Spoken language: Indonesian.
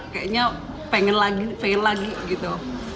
kayaknya pengen lagi fail lagi gitu